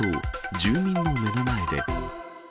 住民の目の前で。